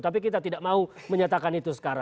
tapi kita tidak mau menyatakan itu sekarang